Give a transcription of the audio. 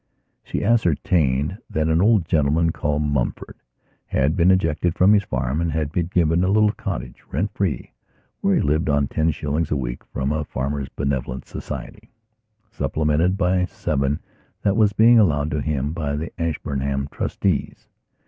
She ascertained that an old gentleman called Mumford had been ejected from his farm and had been given a little cottage rent free, where he lived on ten shillings a week from a farmers' benevolent society, supplemented by seven that was being allowed him by the Ashburnham trustees.